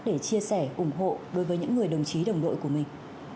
để chia sẻ ủng hộ đối với những người đồng chí đồng đội của mình